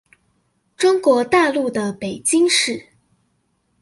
中國大陸的北京市